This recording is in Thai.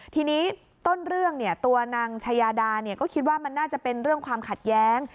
ทีนี้ต้นเรื่องตัวนางชายาดาก็คิดว่ามันน่าจะเป็นเรื่องความขัดแย้ง